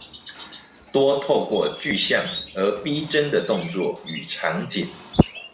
多透過具象而逼真的動作與場景